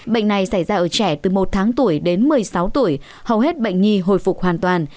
bệnh này xảy ra ở trẻ từ một tháng tuổi đến một mươi sáu tuổi hầu hết bệnh nhi hồi phục hoàn toàn